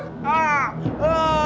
larin dua para kesehatan